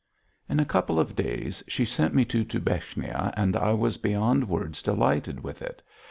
X In a couple of days she sent me to Dubechnia and I was beyond words delighted with it.